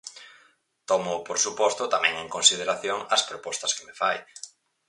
Tomo, por suposto, tamén en consideración as propostas que me fai.